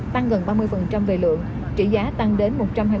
tăng gần ba mươi về lượng trị giá tăng đến một trăm hai mươi tám năm